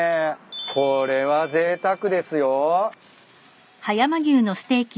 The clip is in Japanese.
これはぜいたくですよ。